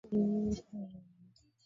hakuna mtu aliyewahi kuwaza suala hilo